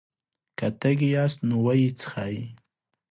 که تږي ياست نو ويې څښئ!